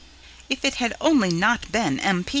If it had only not been M.